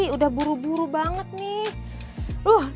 udah buru buru banget nih